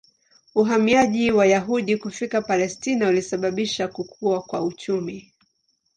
Uhamiaji wa Wayahudi kufika Palestina ulisababisha kukua kwa uchumi.